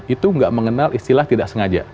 itu nggak mengenal istilah tidak sengaja